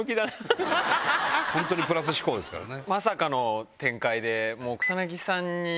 本当にプラス思考ですからね。